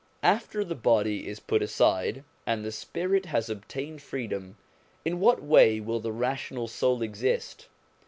After the body is put aside and the spirit has obtained freedom, in what way will the rational soul exist?